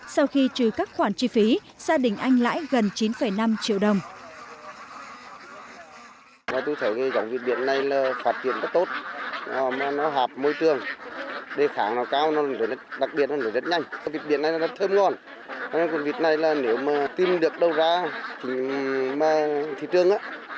sau khi trừ các khoản chi phí gia đình anh lãi gần chín năm triệu đồng